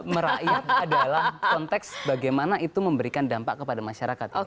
merakyat dalam konteks bagaimana itu memberikan dampak kepada masyarakat